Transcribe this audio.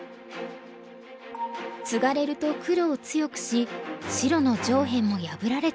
ツガれると黒を強くし白の上辺も破られてしまいます。